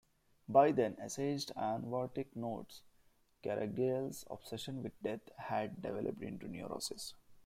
By then, essayist Ion Vartic notes, Caragiale's obsession with death had developed into "neurosis".